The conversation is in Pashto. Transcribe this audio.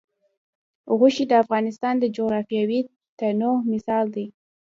غوښې د افغانستان د جغرافیوي تنوع مثال دی.